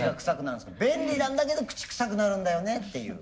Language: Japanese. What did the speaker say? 便利なんだけど口くさくなるんだよねっていう。